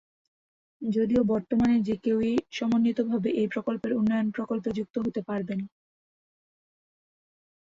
যদিও বর্তমানে যে কেউই সমন্বিতভাবে এই প্রকল্পের উন্নয়ন প্রকল্পে যুক্ত হতে পারবেন।